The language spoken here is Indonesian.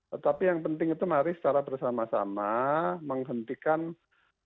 tetapi yang penting itu mari secara bersama sama menghentikan atau menurunkan penularan dari covid sembilan belas